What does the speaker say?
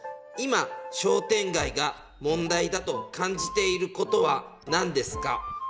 今商店街が問題だと感じていることは何ですか？